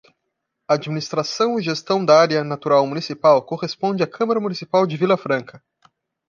A administração e gestão da área natural municipal corresponde à Câmara Municipal de Vilafranca.